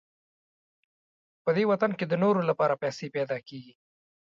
په دې وطن کې د نورو لپاره پیسې پیدا کېږي.